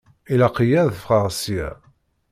Ilaq-iyi ad ffɣeɣ ssya.